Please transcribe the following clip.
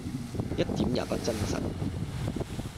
一點也不真實！